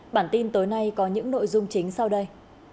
bản tin tối nay có những nội dung chính sau đây